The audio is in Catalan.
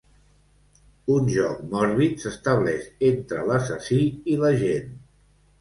Un joc mòrbid s'estableix entre l'assassí i l'agent.